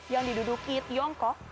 yang diduduki tiongkok